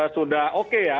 sudah oke ya